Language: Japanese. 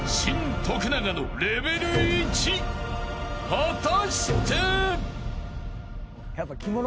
［果たして？］